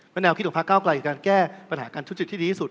แนวคิดของพระเก้าไกลคือการแก้ปัญหาการทุจริตที่ดีที่สุด